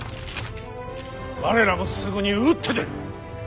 我らもすぐに打って出る。